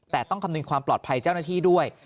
แต่ต้องคำนึงความปลอดภัยเจ้าหน้าที่ด้วย